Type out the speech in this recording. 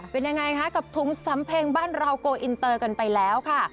เป็นยังไงคะกับถุงสำเพ็งบ้านเราโกอินเตอร์กันไปแล้วค่ะ